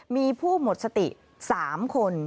มีผู้หมดสติ๓คน